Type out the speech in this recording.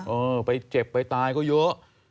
เออไปเจ็บไปตายก็เยอะ